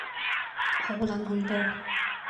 好撚恐怖